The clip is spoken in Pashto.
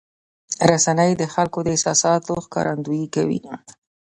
رسنۍ د خلکو د احساساتو ښکارندویي کوي.